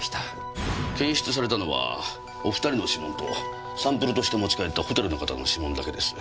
検出されたのはお２人の指紋とサンプルとして持ち帰ったホテルの方の指紋だけです。